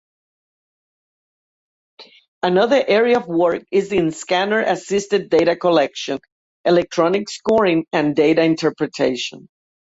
Another area of work is in scanner-assisted data collection, electronic scoring, and data interpretation.